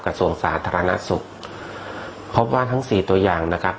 กระทรวงศาสตร์ธรรณสุขเพราะว่าทั้ง๔ตัวอย่างนะครับ